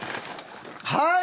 はい！